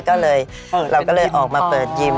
ก็เลยเราก็เลยออกมาเปิดยิม